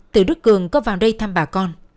từ đức cường có vào đây thăm bà con